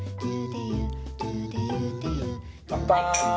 乾杯！